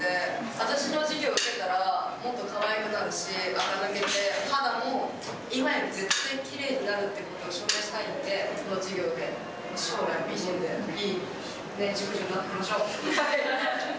私の授業受けたら、もっとかわいくなるし、あか抜けて、肌も、今より絶対きれいになるっていうことを証明したいんで、この授業で生涯美人で、いい熟女になっていきましょう。